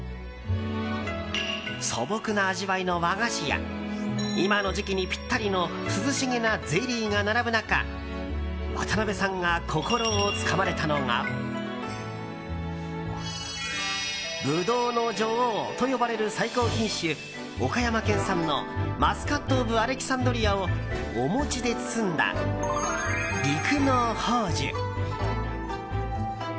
素朴な味わいの和菓子や今の時期にぴったりの涼しげなゼリーが並ぶ中渡辺さんが心をつかまれたのがブドウの女王と呼ばれる最高品種、岡山県産のマスカット・オブ・アレキサンドリアをお餅で包んだ陸乃宝珠。